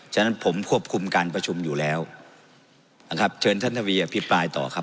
ฉะนั้นผมควบคุมการประชุมอยู่แล้วนะครับเชิญท่านทวีอภิปรายต่อครับ